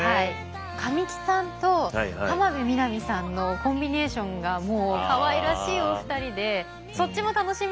神木さんと浜辺美波さんのコンビネーションがもうかわいらしいお二人でそっちも楽しみです。